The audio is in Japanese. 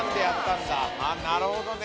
なるほどね！